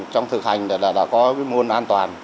trong thực hành đã có môn an toàn